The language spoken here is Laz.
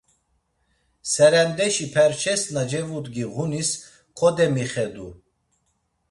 Serendeşi perçes na cevudgi ğunis kodemixedu.